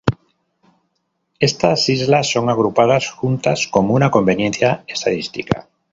Estas islas son agrupadas juntas como una conveniencia estadística.